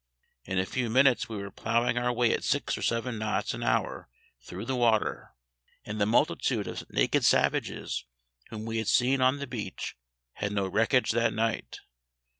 In a few minutes we were ploughing our way at six or seven knots an hour through the water, and the multitude of naked savages whom we had seen on the beach had no wreckage that night.